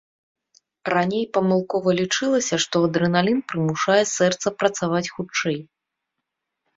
Раней памылкова лічылася, што адрэналін прымушае сэрца працаваць хутчэй.